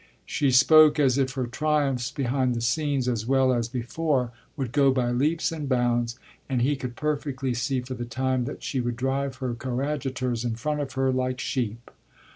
She spoke as if her triumphs behind the scenes as well as before would go by leaps and bounds, and he could perfectly see, for the time, that she would drive her coadjutors in front of her like sheep.